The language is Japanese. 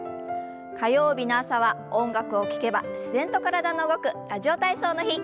火曜日の朝は音楽を聞けば自然と体が動く「ラジオ体操」の日。